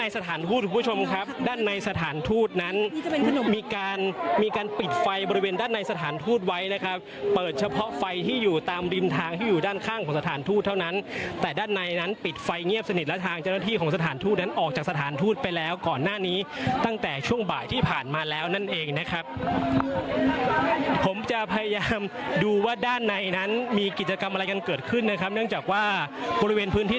สถานทูตคุณผู้ชมครับด้านในสถานทูตนั้นมีการมีการปิดไฟบริเวณด้านในสถานทูตไว้นะครับเปิดเฉพาะไฟที่อยู่ตามริมทางที่อยู่ด้านข้างของสถานทูตเท่านั้นแต่ด้านในนั้นปิดไฟเงียบสนิทและทางเจ้าหน้าที่ของสถานทูตนั้นออกจากสถานทูตไปแล้วก่อนหน้านี้ตั้งแต่ช่วงบ่ายที่ผ่านมาแล้วนั่นเองนะครับผมจะพยายามดูว่าด้านในนั้นมีกิจกรรมอะไรกันเกิดขึ้นนะครับเนื่องจากว่าบริเวณพื้นที่